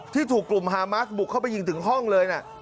ที่ถูกกลุ่มฮามาสบุกเข้าไปยิงถึงห้องเลยนะ